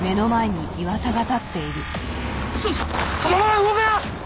そそのまま動くな！